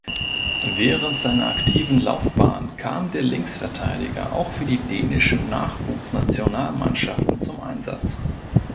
Während seiner aktiven Laufbahn kam der Linksverteidiger auch für die dänischen Nachwuchsnationalmannschaften zum Einsatz.